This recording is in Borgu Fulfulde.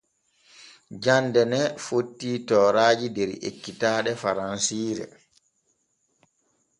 Jande ne fotti tooraaji der ekkitaaɗe faransiire.